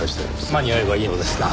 間に合えばいいのですが。